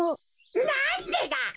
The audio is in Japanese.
なんでだ？